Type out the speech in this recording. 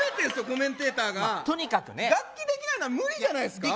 コメンテーターがまあとにかくね楽器できないなら無理じゃないですか？